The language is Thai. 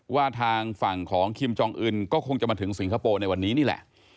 ว่าทางฝั่งของคิมจองอื่นก็คงจะมาถึงสิงคโปร์ในวันนี้นี่แหละ